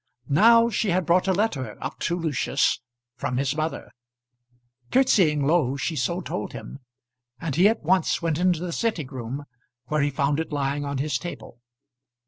Now she had brought a letter up to Lucius from his mother. Curtsying low she so told him, and he at once went into the sitting room where he found it lying on his table.